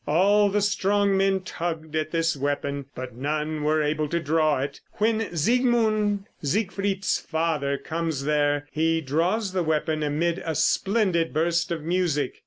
All the strong men tugged at this weapon, but none were able to draw it. When Siegmund, Siegfried's father, comes there, he draws the weapon amid a splendid burst of music.